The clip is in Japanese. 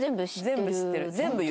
全部知ってる。